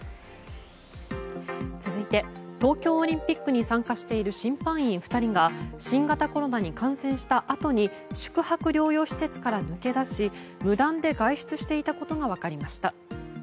続いて、東京オリンピックに参加している審判員２人が新型コロナに感染したあとに宿泊療養施設から抜け出し無断で外出していたことが分かりました。